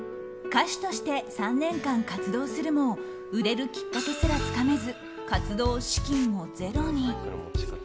歌手として３年間活動するも売れるきっかけすらつかめず活動資金もゼロに。